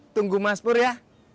tunggu mas pur ya